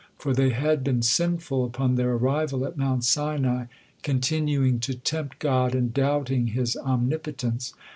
For they had been sinful upon their arrival at Mount Sinai, continuing to tempt God and doubting His omnipotence.